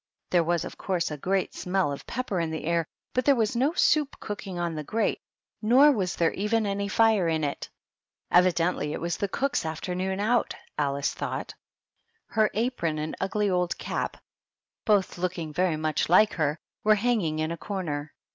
There was, of course, a great smell of pepper in the air, but there was no soup cooking on the grate, nor was there even any fire THE DUCHESS AND HER HOUSE. 33 in it. Evidently it was the cook's afternoon out, Alice thought ;* her apron and ugly old cap, both looking very much like her, were hanging in a corner.